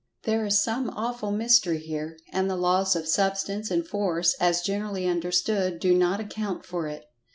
There is some awful mystery here, and the laws of Substance, and Force, as generally understood, do not account for it.